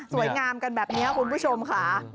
งามกันแบบนี้คุณผู้ชมค่ะ